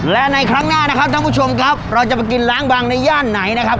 และในครั้งหน้านะครับท่านผู้ชมครับเราจะไปกินล้างบางในย่านไหนนะครับ